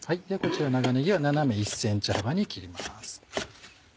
長ねぎは斜め１ｃｍ幅に切ります。